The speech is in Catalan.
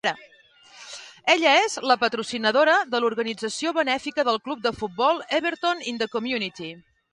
Ella és la patrocinadora de l'organització benèfica del club de futbol, Everton in the Community.